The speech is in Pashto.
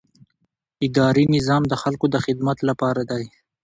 اداري نظام د خلکو د خدمت لپاره دی.